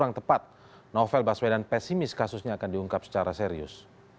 yang tepat novel baswedan pesimis kasusnya akan diungkap secara serius